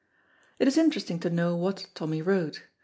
It is interesting to know what Tommy wrote.